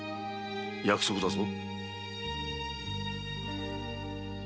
約束だぞ。